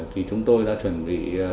thì chúng tôi đã chuẩn bị